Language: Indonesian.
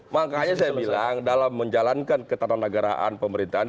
makanya saya bilang dalam menjalankan ketatanegaraan pemerintahan